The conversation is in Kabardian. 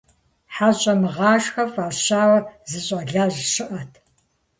ХьэщӀэмыгъашхэ фӀащауэ, зы щӀалэжь щыӀэт.